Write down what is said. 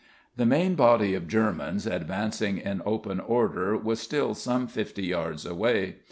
The main body of Germans, advancing in open order, was still some fifty yards away.